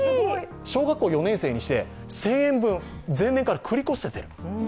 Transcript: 小学校４年生にして１０００円分、前年から繰り越せている。